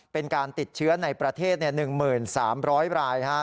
เป็นการติดเชื้อในประเทศ๑๓๐๐ราย